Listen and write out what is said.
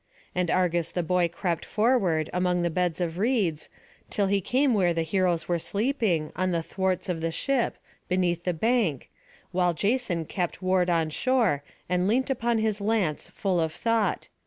And Argus the boy crept forward, among the beds of reeds, till he came where the heroes were sleeping, on the thwarts of the ship, beneath the bank, while Jason kept ward on shore, and leant upon his lance full of thought.